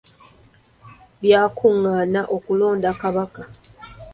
Byakungaana okulonda kabaka.